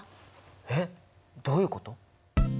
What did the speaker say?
えっどういうこと？